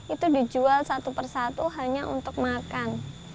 itu dijual satu persatu hanya untuk makan